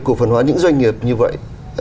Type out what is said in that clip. cổ phân hóa những doanh nghiệp như vậy